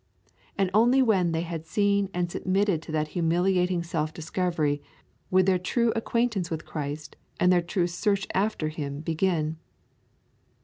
And only when they had seen and submitted to that humiliating self discovery would their true acquaintance with Christ and their true search after Him begin.